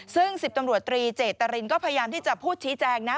ซึ่ง๑๐ตำรวจตรีเจตรินก็พยายามที่จะพูดชี้แจงนะ